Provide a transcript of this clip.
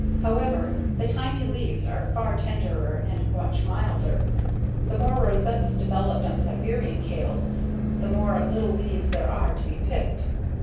However, the tiny leaves are far tenderer and much milder. The more rosettes developed on Siberian kales, the more little leaves there are to be picked.